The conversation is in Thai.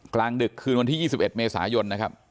กลางดึกคืนวันที่๒๑เมษายนนะครับ